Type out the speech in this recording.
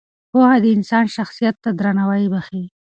پوهه د انسان شخصیت ته درناوی بښي.